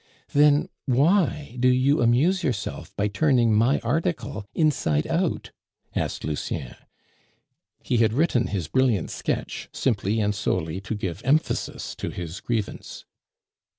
"Then why do you amuse yourself by turning my article inside out?" asked Lucien. He had written his brilliant sketch simply and solely to give emphasis to his grievance.